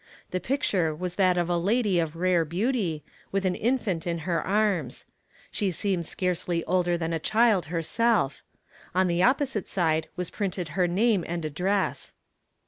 The picture was that of a lady of rare beauty, with an infant in her arms. She seemed scarcely more than a child herself; on the opposite side was printed her name and address.